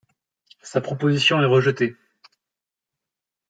Sa proposition est rejetée.